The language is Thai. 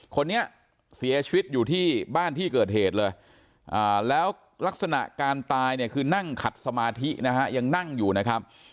คนนี้เสียชีวิตอยู่ที่บ้านที่เกิดเหตุเลยแล้วลักษณะการตายเนี่ยคือนั่งขัดสมาธินะฮะยังนั่งอยู่นะครับ